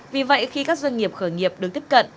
vì vậy khi các doanh nghiệp khởi nghiệp được tiếp cận